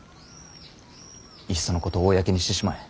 いっそのこと公にしてしまえ。